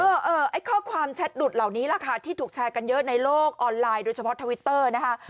เออไอ้ข้อความแชทหลุดเหล่านี้ล่ะค่ะที่ถูกแชร์กันเยอะในโลกออนไลน์โดยเฉพาะทวิตเตอร์นะคะ